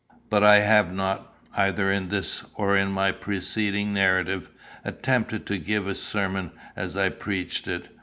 But I have not, either in this or in my preceding narrative, attempted to give a sermon as I preached it.